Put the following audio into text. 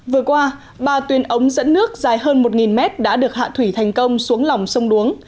vừa qua ba tuyến ống dẫn nước dài hơn một mét đã được hạ thủy thành công xuống lòng sông đuống